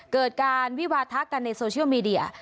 เกิดการวิวาทะกันในโซเชียลมีเดีย